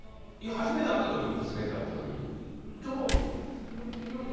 初めて会った時に。